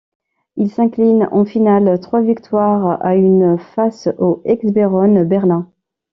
Ils s'inclinent en finale trois victoires à une face aux Eisbären Berlin.